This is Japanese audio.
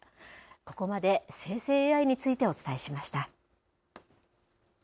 ここまで生成ＡＩについてお伝えしました。